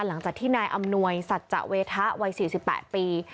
หลังจากที่นายอำนวยสัจจะเวทะวัย๔๘ปี